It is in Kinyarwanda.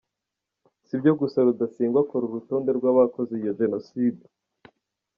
Si ibyo gusa, Rudasingwa akora n’urutonde rw’abakoze iyo Jenoside.